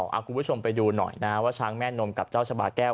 คุณผู้ชมไปดูหน่อยนะว่าช้างแม่นมกับเจ้าชะบาแก้ว